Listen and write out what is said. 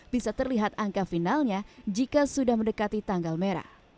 bisa terlihat angka finalnya jika sudah mendekati tanggal merah